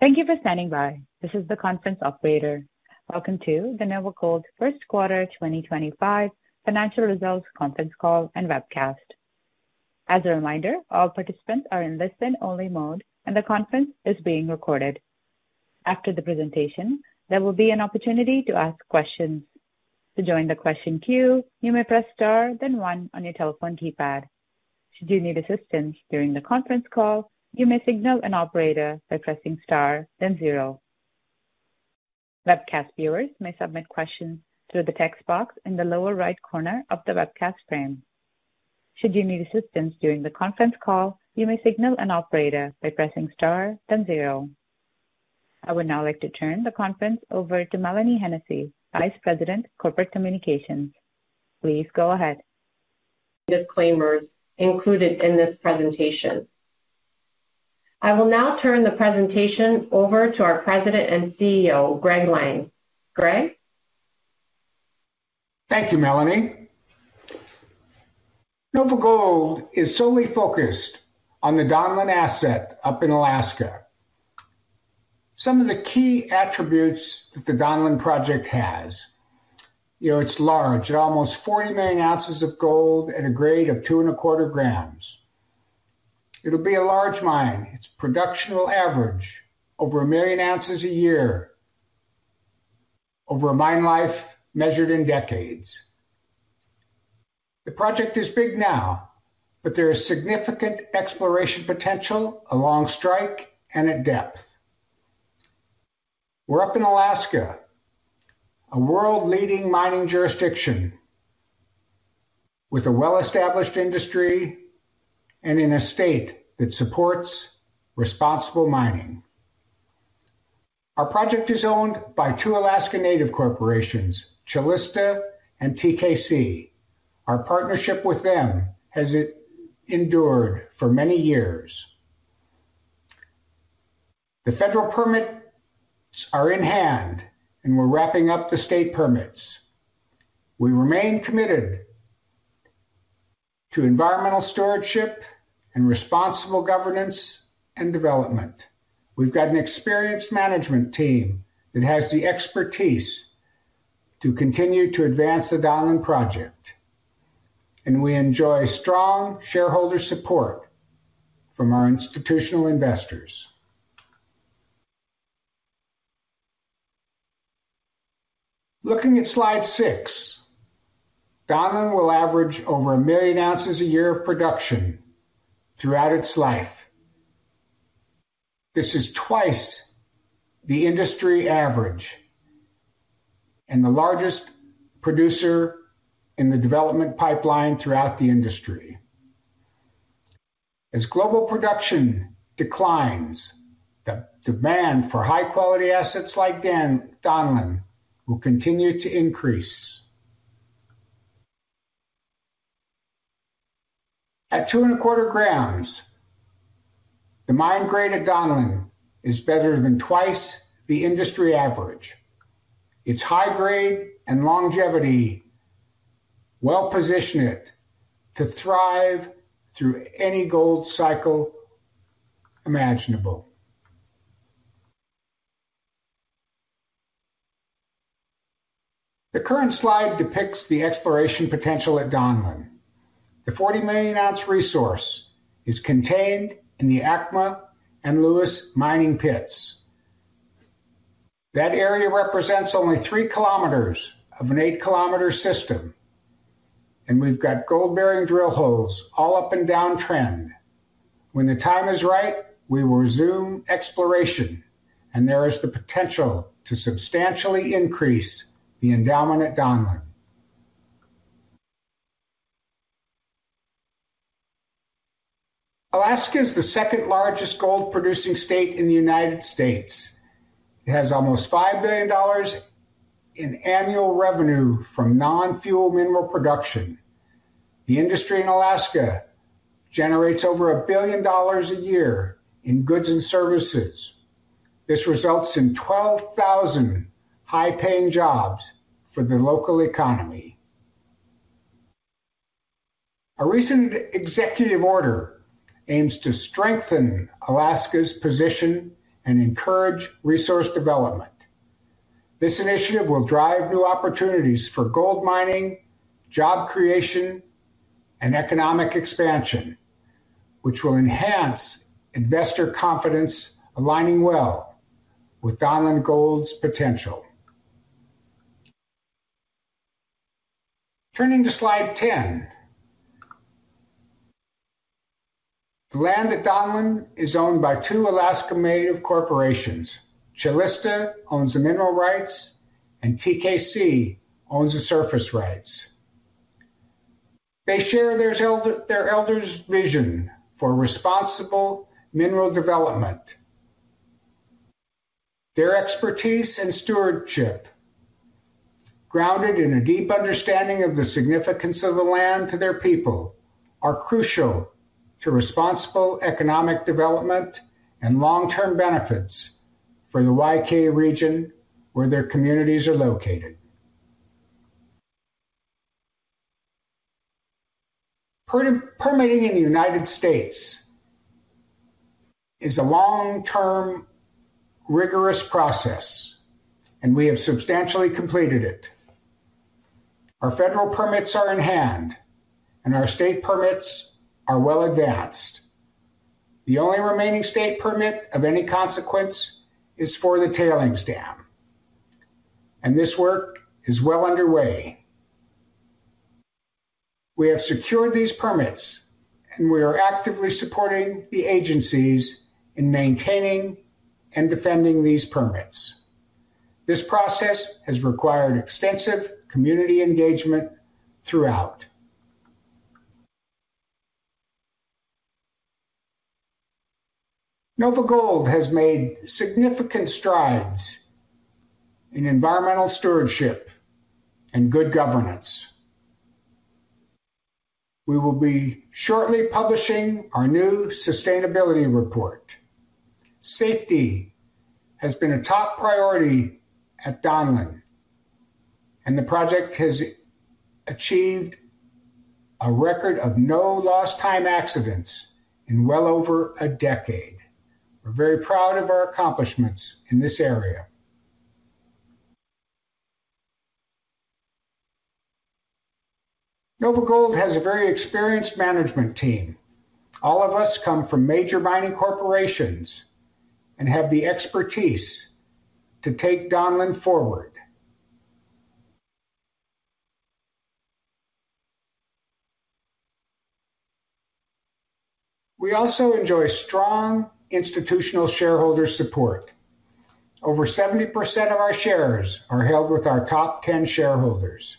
Thank you for standing by. This is the conference operator. Welcome to the NOVAGOLD First Quarter 2025 Financial Results Conference Call and Webcast. As a reminder, all participants are in listen-only mode, and the conference is being recorded. After the presentation, there will be an opportunity to ask questions. To join the question queue, you may press star, then one, on your telephone keypad. Should you need assistance during the conference call, you may signal an operator by pressing star, then zero. Webcast viewers may submit questions through the text box in the lower right corner of the webcast frame. Should you need assistance during the conference call, you may signal an operator by pressing star, then zero. I would now like to turn the conference over to Mélanie Hennessey, Vice President, Corporate Communications. Please go ahead. Disclaimers included in this presentation. I will now turn the presentation over to our President and CEO, Greg Lang. Greg? Thank you, Mélanie. NOVAGOLD is solely focused on the Donlin asset up in Alaska. Some of the key attributes that the Donlin Project has: it's large. It's almost 40 million ounces of gold at a grade of two and a quarter grams. It'll be a large mine. Its production will average over a million ounces a year over a mine life measured in decades. The project is big now, but there is significant exploration potential along strike and at depth. We're up in Alaska, a world-leading mining jurisdiction with a well-established industry and in a state that supports responsible mining. Our project is owned by two Alaska Native corporations, Calista and TKC. Our partnership with them has endured for many years. The federal permits are in hand, and we're wrapping up the state permits. We remain committed to environmental stewardship and responsible governance and development. We've got an experienced management team that has the expertise to continue to advance the Donlin Project, and we enjoy strong shareholder support from our institutional investors. Looking at slide six, Donlin will average over a million ounces a year of production throughout its life. This is twice the industry average and the largest producer in the development pipeline throughout the industry. As global production declines, the demand for high-quality assets like Donlin will continue to increase. At two and a quarter grams, the mine grade at Donlin is better than twice the industry average. Its high grade and longevity well position it to thrive through any gold cycle imaginable. The current slide depicts the exploration potential at Donlin. The 40 million ounce resource is contained in the ACMA and Lewis mining pits. That area represents only three kilometers of an eight kilometer system, and we've got gold-bearing drill holes all up and down trend. When the time is right, we will resume exploration, and there is the potential to substantially increase the endowment at Donlin. Alaska is the second largest gold-producing state in the United States. It has almost $5 billion in annual revenue from non-fuel mineral production. The industry in Alaska generates over $1 billion a year in goods and services. This results in 12,000 high-paying jobs for the local economy. A recent executive order aims to strengthen Alaska's position and encourage resource development. This initiative will drive new opportunities for gold mining, job creation, and economic expansion, which will enhance investor confidence, aligning well with Donlin Gold's potential. Turning to slide 10, the land at Donlin is owned by two Alaska Native corporations. Calista owns the mineral rights, and TKC owns the surface rights. They share their elders' vision for responsible mineral development. Their expertise and stewardship, grounded in a deep understanding of the significance of the land to their people, are crucial to responsible economic development and long-term benefits for the Yukon-Kuskokwim Region where their communities are located. Permitting in the U.S. is a long-term, rigorous process, and we have substantially completed it. Our federal permits are in hand, and our state permits are well advanced. The only remaining state permit of any consequence is for the tailings dam, and this work is well underway. We have secured these permits, and we are actively supporting the agencies in maintaining and defending these permits. This process has required extensive community engagement throughout. NOVAGOLD has made significant strides in environmental stewardship and good governance. We will be shortly publishing our new sustainability report. Safety has been a top priority at Donlin, and the project has achieved a record of no lost time accidents in well over a decade. We're very proud of our accomplishments in this area. NOVAGOLD has a very experienced management team. All of us come from major mining corporations and have the expertise to take Donlin forward. We also enjoy strong institutional shareholder support. Over 70% of our shares are held with our top 10 shareholders.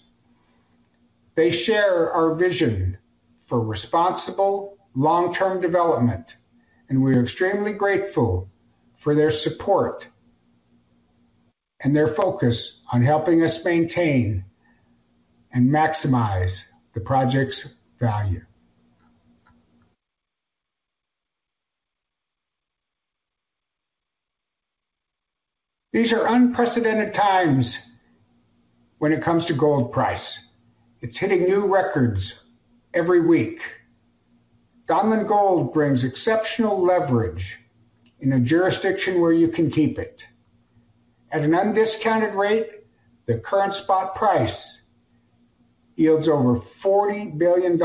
They share our vision for responsible long-term development, and we are extremely grateful for their support and their focus on helping us maintain and maximize the project's value. These are unprecedented times when it comes to gold price. It's hitting new records every week. Donlin Gold brings exceptional leverage in a jurisdiction where you can keep it. At an undiscounted rate, the current spot price yields over $40 billion.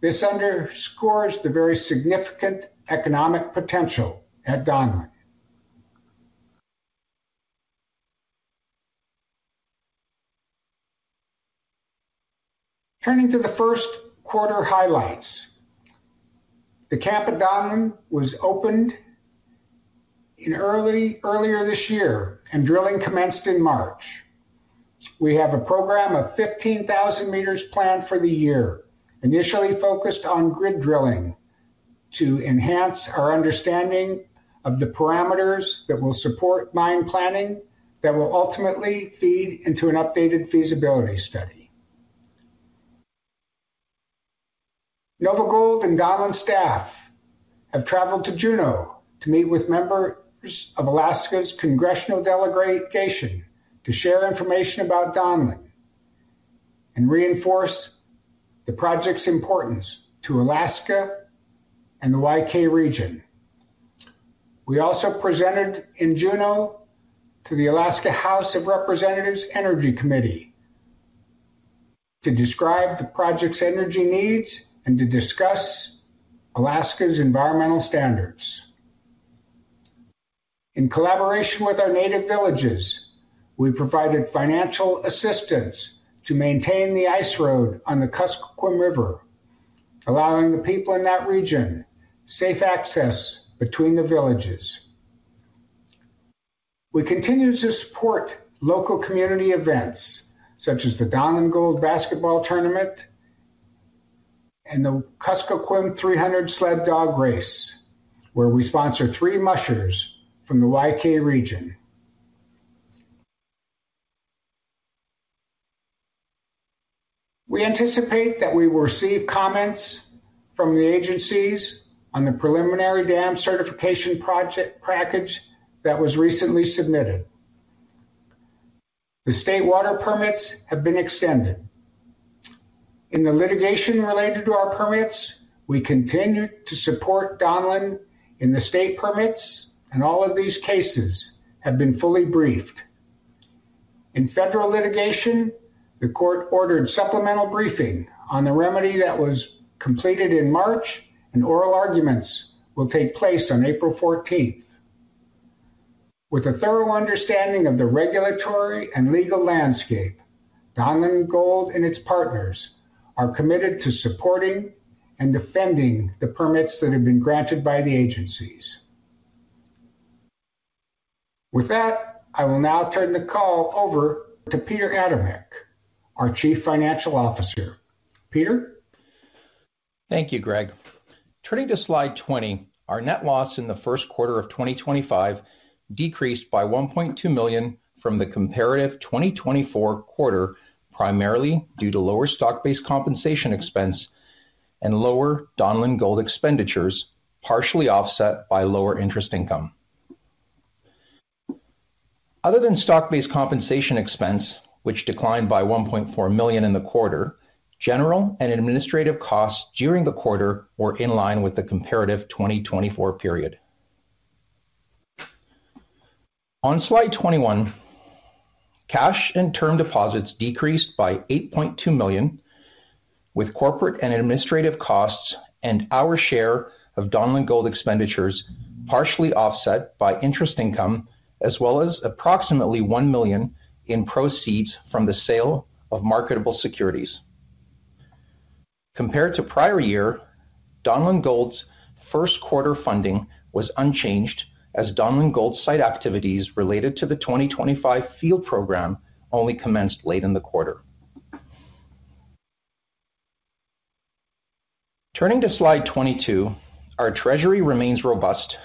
This underscores the very significant economic potential at Donlin. Turning to the first quarter highlights, the camp at Donlin was opened earlier this year, and drilling commenced in March. We have a program of 15,000 meters planned for the year, initially focused on grid drilling to enhance our understanding of the parameters that will support mine planning that will ultimately feed into an updated feasibility study. NOVAGOLD and Donlin staff have traveled to Juneau to meet with members of Alaska's Congressional Delegation to share information about Donlin and reinforce the project's importance to Alaska and the Yukon-Kuskokwim region. We also presented in Juneau to the Alaska House of Representatives Energy Committee to describe the project's energy needs and to discuss Alaska's environmental standards. In collaboration with our native villages, we provided financial assistance to maintain the ice road on the Kuskokwim River, allowing the people in that region safe access between the villages. We continue to support local community events such as the Donlin Gold Basketball Tournament and the Kuskokwim 300 Sled Dog Race, where we sponsor three mushers from the YK region. We anticipate that we will receive comments from the agencies on the preliminary dam certification package that was recently submitted. The state water permits have been extended. In the litigation related to our permits, we continue to support Donlin in the state permits, and all of these cases have been fully briefed. In federal litigation, the court ordered supplemental briefing on the remedy that was completed in March, and oral arguments will take place on April 14th. With a thorough understanding of the regulatory and legal landscape, Donlin Gold and its partners are committed to supporting and defending the permits that have been granted by the agencies. With that, I will now turn the call over to Peter Adamek, our Chief Financial Officer. Peter? Thank you, Greg. Turning to slide 20, our net loss in the first quarter of 2025 decreased by $1.2 million from the comparative 2024 quarter, primarily due to lower stock-based compensation expense and lower Donlin Gold expenditures, partially offset by lower interest income. Other than stock-based compensation expense, which declined by $1.4 million in the quarter, general and administrative costs during the quarter were in line with the comparative 2024 period. On slide 21, cash and term deposits decreased by $8.2 million, with corporate and administrative costs and our share of Donlin Gold expenditures partially offset by interest income, as well as approximately $1 million in proceeds from the sale of marketable securities. Compared to prior year, Donlin Gold's first quarter funding was unchanged, as Donlin Gold site activities related to the 2025 field program only commenced late in the quarter. Turning to slide 22, our treasury remains robust,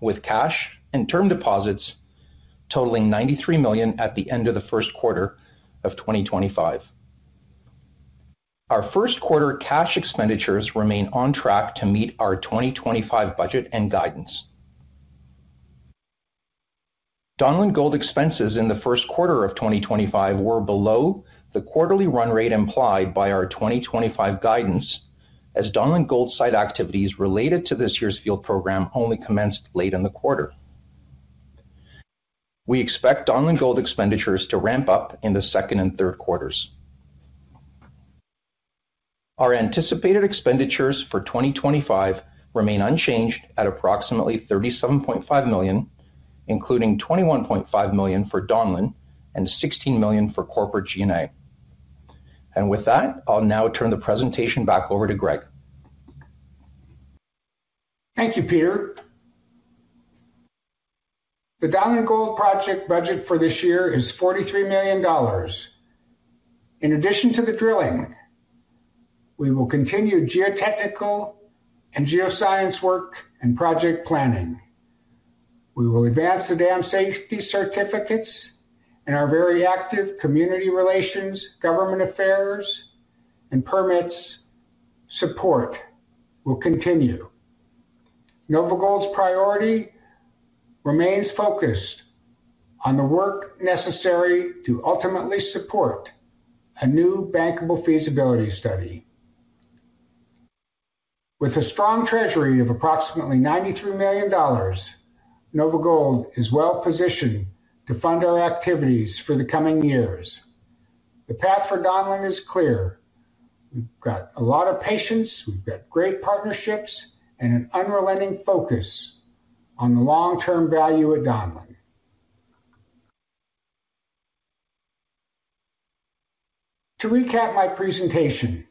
with cash and term deposits totaling $93 million at the end of the first quarter of 2025. Our first quarter cash expenditures remain on track to meet our 2025 budget and guidance. Donlin Gold expenses in the first quarter of 2025 were below the quarterly run rate implied by our 2025 guidance, as Donlin Gold site activities related to this year's field program only commenced late in the quarter. We expect Donlin Gold expenditures to ramp up in the second and third quarters. Our anticipated expenditures for 2025 remain unchanged at approximately $37.5 million, including $21.5 million for Donlin and $16 million for corporate G&A. With that, I'll now turn the presentation back over to Greg. Thank you, Peter. The Donlin Gold project budget for this year is $43 million. In addition to the drilling, we will continue geotechnical and geoscience work and project planning. We will advance the dam safety certificates, and our very active community relations, government affairs, and permits support will continue. NOVAGOLD's priority remains focused on the work necessary to ultimately support a new bankable feasibility study. With a strong treasury of approximately $93 million, NOVAGOLD is well positioned to fund our activities for the coming years. The path for Donlin is clear. We've got a lot of patience, we've got great partnerships, and an unrelenting focus on the long-term value at Donlin. To recap my presentation,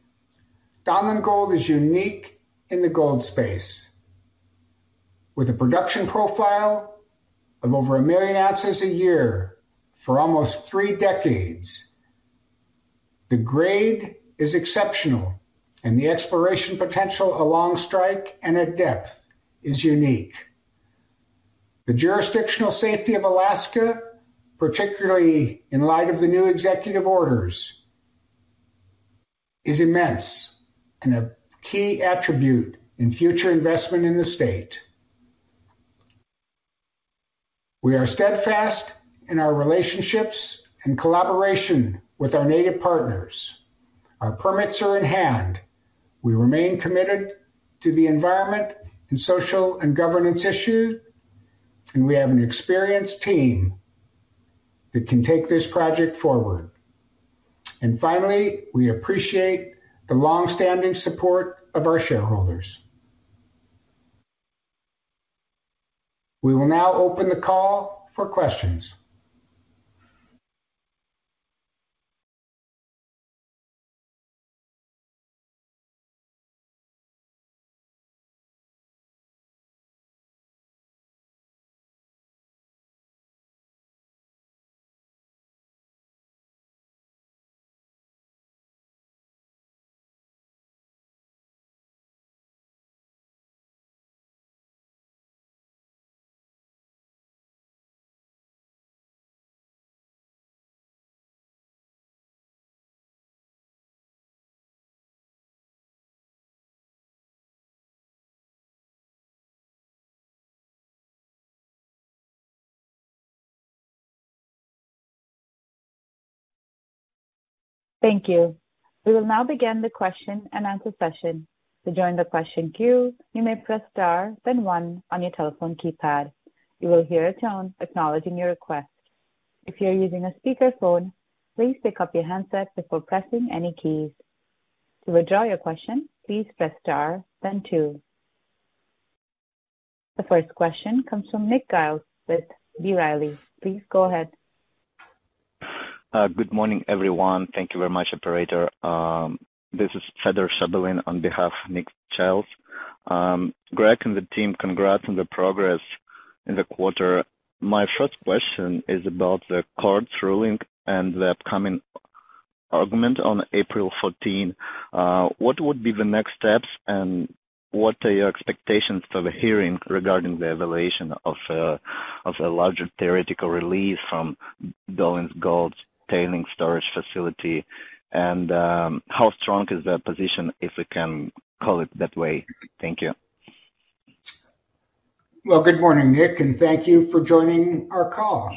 Donlin Gold is unique in the gold space. With a production profile of over a million ounces a year for almost three decades, the grade is exceptional, and the exploration potential along strike and at depth is unique. The jurisdictional safety of Alaska, particularly in light of the new executive orders, is immense and a key attribute in future investment in the state. We are steadfast in our relationships and collaboration with our native partners. Our permits are in hand. We remain committed to the environment and social and governance issues, and we have an experienced team that can take this project forward. Finally, we appreciate the longstanding support of our shareholders. We will now open the call for questions. Thank you. We will now begin the question and answer session. To join the question queue, you may press star, then one on your telephone keypad. You will hear a tone acknowledging your request. If you're using a speakerphone, please pick up your handset before pressing any keys. To withdraw your question, please press star, then two. The first question comes from Nick Giles with B. Riley. Please go ahead. Good morning, everyone. Thank you very much, Operator. This is Feather Sutherland on behalf of Nick Giles. Greg and the team, congrats on the progress in the quarter. My first question is about the court's ruling and the upcoming argument on April 14. What would be the next steps, and what are your expectations for the hearing regarding the evaluation of a larger theoretical release from Donlin Gold's tailings storage facility? And how strong is that position, if we can call it that way? Thank you. Good morning, Nick, and thank you for joining our call.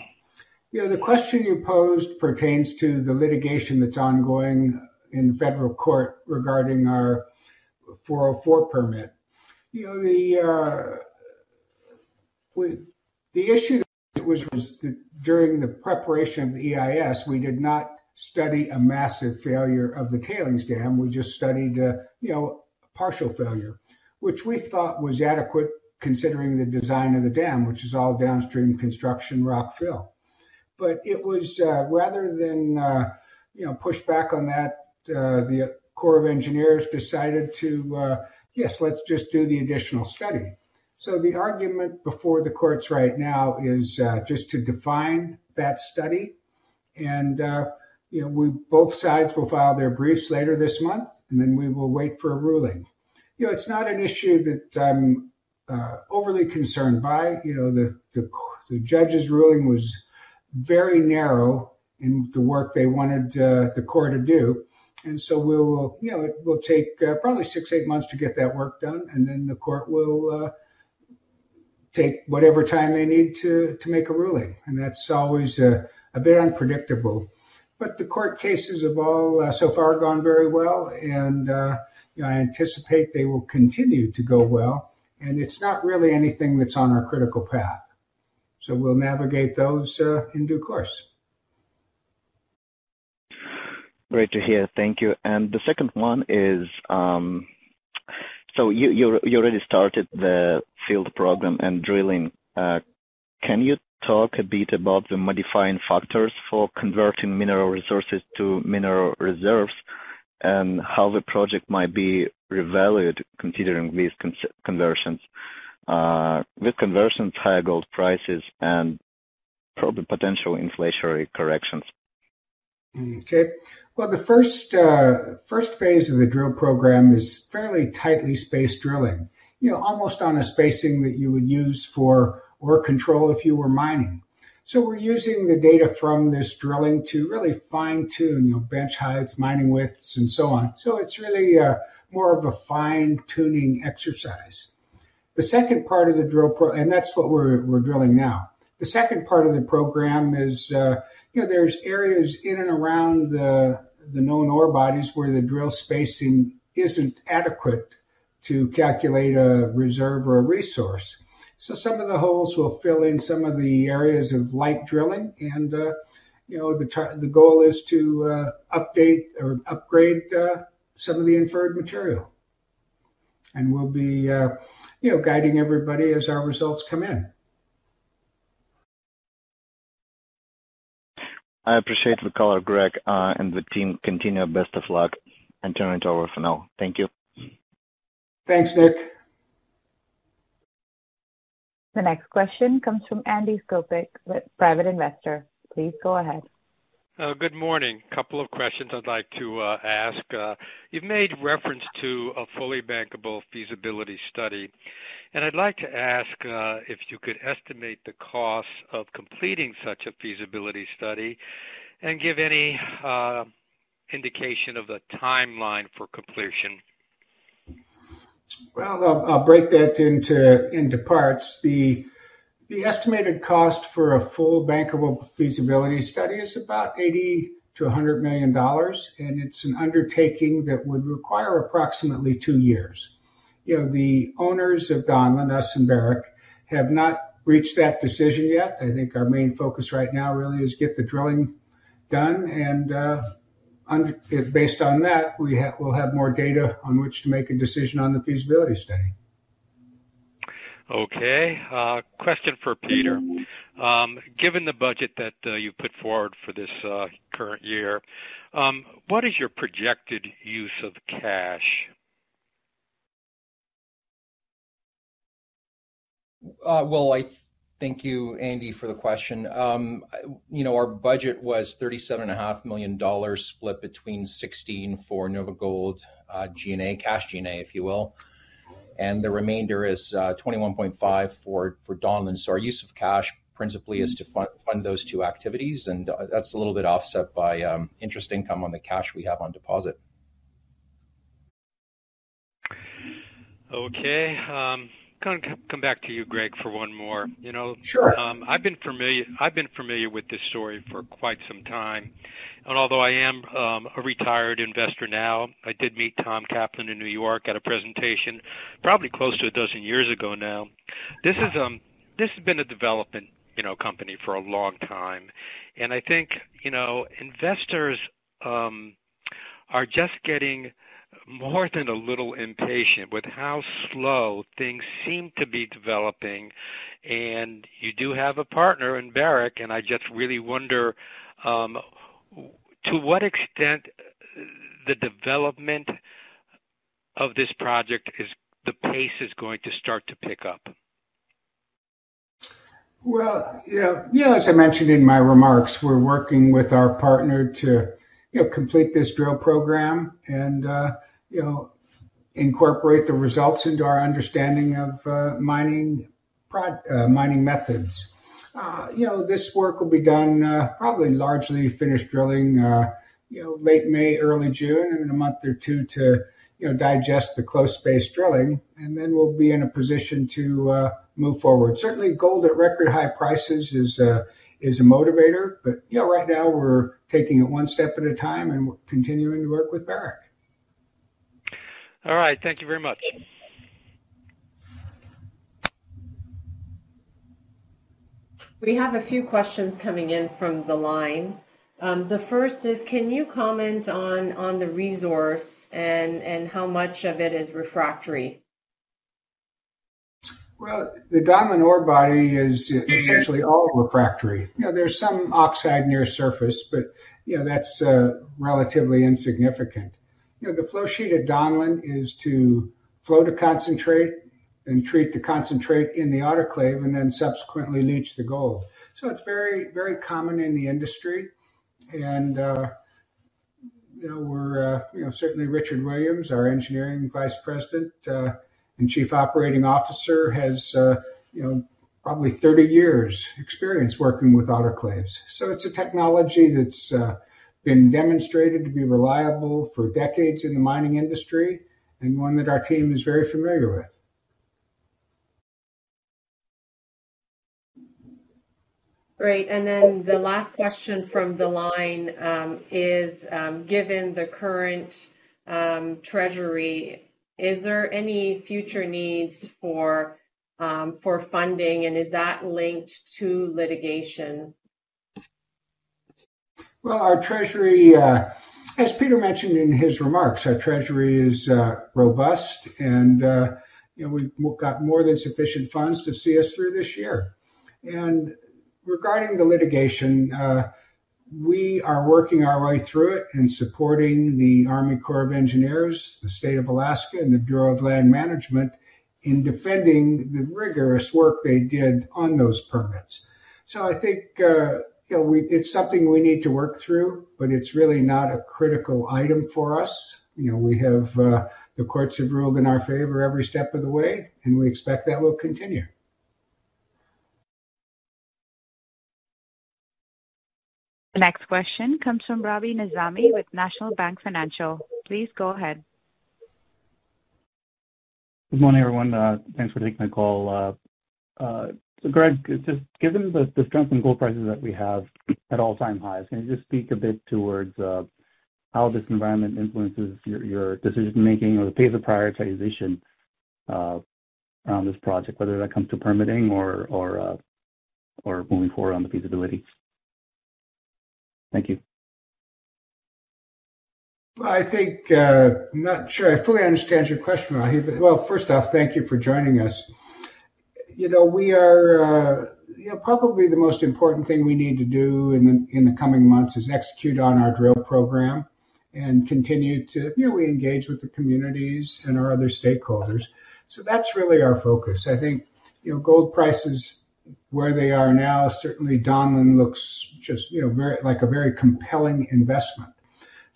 The question you posed pertains to the litigation that's ongoing in the federal court regarding our 404 permit. The issue was that during the preparation of the EIS, we did not study a massive failure of the tailings dam. We just studied a partial failure, which we thought was adequate considering the design of the dam, which is all downstream construction rock fill. Rather than push back on that, the Corps of Engineers decided to, yes, let's just do the additional study. The argument before the courts right now is just to define that study, and both sides will file their briefs later this month, and then we will wait for a ruling. It's not an issue that I'm overly concerned by. The judge's ruling was very narrow in the work they wanted the court to do, and it will take probably six, eight months to get that work done, and then the court will take whatever time they need to make a ruling. That is always a bit unpredictable. The court cases have all so far gone very well, and I anticipate they will continue to go well. It is not really anything that is on our critical path. We will navigate those in due course. Great to hear. Thank you. The second one is, you already started the field program and drilling. Can you talk a bit about the modifying factors for converting mineral resources to mineral reserves and how the project might be revalued considering these conversions? With conversions, higher gold prices and probably potential inflationary corrections. Okay. The first phase of the drill program is fairly tightly spaced drilling, almost on a spacing that you would use for ore control if you were mining. We are using the data from this drilling to really fine-tune bench heights, mining widths, and so on. It is really more of a fine-tuning exercise. The second part of the drill program, and that is what we are drilling now. The second part of the program is there are areas in and around the known ore bodies where the drill spacing is not adequate to calculate a reserve or a resource. Some of the holes will fill in some of the areas of light drilling, and the goal is to update or upgrade some of the inferred material. We will be guiding everybody as our results come in. I appreciate the call, Greg, and the team. Continue. Best of luck. I turn it over for now. Thank you. Thanks, Nick. The next question comes from Andy Skopik, Private Investor. Please go ahead. Good morning. A couple of questions I'd like to ask. You've made reference to a fully bankable feasibility study, and I'd like to ask if you could estimate the cost of completing such a feasibility study and give any indication of the timeline for completion. I'll break that into parts. The estimated cost for a full bankable feasibility study is about $80 million-$100 million, and it's an undertaking that would require approximately two years. The owners of Donlin, us, and Barrick have not reached that decision yet. I think our main focus right now really is to get the drilling done, and based on that, we'll have more data on which to make a decision on the feasibility study. Okay. Question for Peter. Given the budget that you've put forward for this current year, what is your projected use of cash? Thank you, Andy, for the question. Our budget was $37.5 million split between $16 million for NOVAGOLD G&A, cash G&A, if you will, and the remainder is $21.5 million for Donlin. Our use of cash principally is to fund those two activities, and that's a little bit offset by interest income on the cash we have on deposit. Okay. I'm going to come back to you, Greg, for one more. Sure. I've been familiar with this story for quite some time. Although I am a retired investor now, I did meet Tom Kaplan in New York at a presentation probably close to a dozen years ago now. This has been a development company for a long time, and I think investors are just getting more than a little impatient with how slow things seem to be developing. You do have a partner in Barrick, and I just really wonder to what extent the development of this project, the pace is going to start to pick up. As I mentioned in my remarks, we're working with our partner to complete this drill program and incorporate the results into our understanding of mining methods. This work will be done probably largely finished drilling late May, early June, and in a month or two to digest the close space drilling, and then we'll be in a position to move forward. Certainly, gold at record high prices is a motivator, but right now we're taking it one step at a time, and we're continuing to work with Barrick. All right. Thank you very much. We have a few questions coming in from the line. The first is, can you comment on the resource and how much of it is refractory? The Donlin ore body is essentially all refractory. There is some oxide near surface, but that is relatively insignificant. The flow sheet at Donlin is to flow to concentrate and treat the concentrate in the autoclave and then subsequently leach the gold. It is very common in the industry. Certainly, Richard Williams, our Engineering Vice President and Chief Operating Officer, has probably 30 years' experience working with autoclaves. It is a technology that has been demonstrated to be reliable for decades in the mining industry and one that our team is very familiar with. Great. The last question from the line is, given the current treasury, is there any future needs for funding, and is that linked to litigation? As Peter mentioned in his remarks, our treasury is robust, and we've got more than sufficient funds to see us through this year. Regarding the litigation, we are working our way through it and supporting the U.S. Army Corps of Engineers, the State of Alaska, and the Bureau of Land Management in defending the rigorous work they did on those permits. I think it's something we need to work through, but it's really not a critical item for us. The courts have ruled in our favor every step of the way, and we expect that will continue. The next question comes from Rabi Nizami with National Bank Financial. Please go ahead. Good morning, everyone. Thanks for taking the call. Greg, just given the strength in gold prices that we have at all-time highs, can you just speak a bit towards how this environment influences your decision-making or the pace of prioritization around this project, whether that comes to permitting or moving forward on the feasibility? Thank you. I think I'm not sure I fully understand your question, Rabi, but first off, thank you for joining us. We are probably the most important thing we need to do in the coming months is execute on our drill program and continue to really engage with the communities and our other stakeholders. That's really our focus. I think gold prices where they are now, certainly Donlin looks just like a very compelling investment.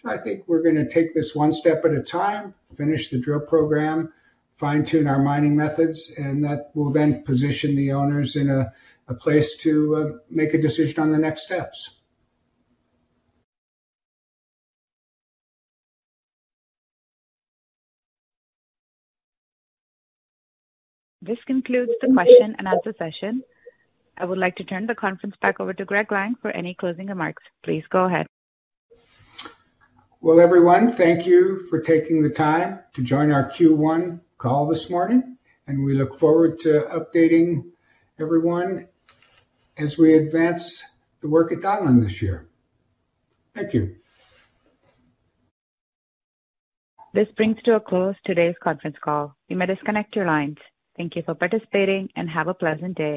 I think we're going to take this one step at a time, finish the drill program, fine-tune our mining methods, and that will then position the owners in a place to make a decision on the next steps. This concludes the question and answer session. I would like to turn the conference back over to Greg Lang for any closing remarks. Please go ahead. Everyone, thank you for taking the time to join our Q1 call this morning, and we look forward to updating everyone as we advance the work at Donlin this year. Thank you. This brings to a close today's conference call. You may disconnect your lines. Thank you for participating and have a pleasant day.